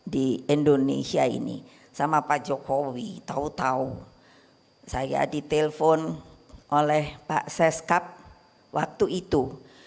di indonesia ini sama pak jokowi tahu tahu saya ditelepon oleh pak seskap waktu itu